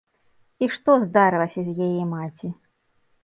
І што здарылася з яе маці?